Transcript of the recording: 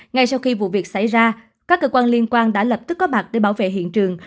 ngay sau khi vụ việc xảy ra các cơ quan liên quan đã lập tức có mặt để bảo vệ hiện trường